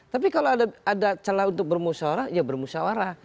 tapi kalau ada celah untuk bermusyawara ya bermusyawara